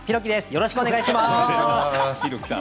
よろしくお願いします。